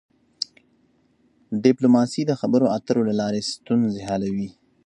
ډيپلوماسي د خبرو اترو له لارې ستونزې حلوي.